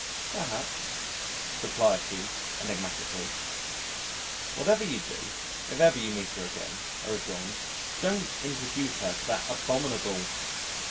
"Perhaps," replied he enigmatically. "Whatever you do, if ever you meet her again," I rejoined, "don't introduce her to that abominable